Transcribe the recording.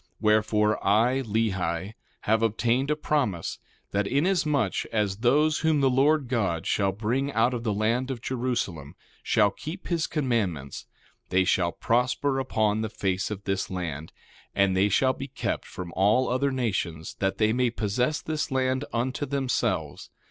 1:9 Wherefore, I, Lehi, have obtained a promise, that inasmuch as those whom the Lord God shall bring out of the land of Jerusalem shall keep his commandments, they shall prosper upon the face of this land; and they shall be kept from all other nations, that they may possess this land unto themselves.